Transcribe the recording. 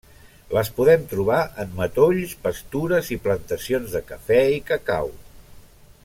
Les podem trobar en matolls, pastures i plantacions de cafè i cacau.